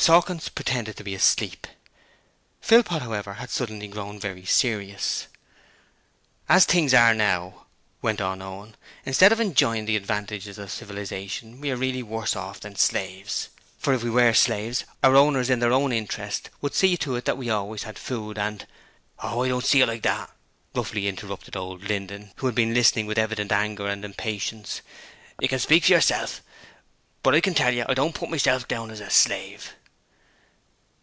Sawkins pretended to be asleep. Philpot, however, had suddenly grown very serious. 'As things are now,' went on Owen, 'instead of enjoying the advantages of civilization we are really worse off than slaves, for if we were slaves our owners in their own interest would see to it that we always had food and ' 'Oh, I don't see that,' roughly interrupted old Linden, who had been listening with evident anger and impatience. 'You can speak for yourself, but I can tell yer I don't put MYSELF down as a slave.'